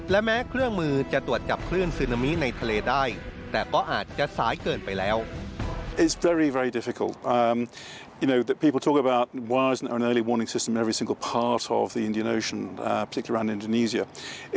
และแม้เครื่องมือจะตรวจจับคลื่นซึนามิในทะเลได้